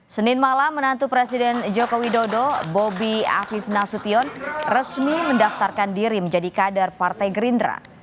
senin malam menantu presiden joko widodo bobi afif nasution resmi mendaftarkan diri menjadi kader partai gerindra